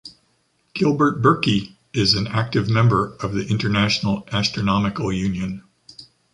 Gilbert Burki is an active member of the International Astronomical Union.